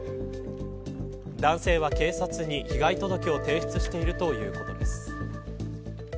男性は、警察に被害届を提出しているということです。